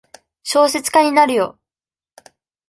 小説家になるよ。